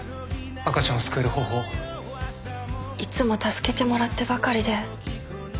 赤ちゃんを救える方法いつも助けてもらってばかりで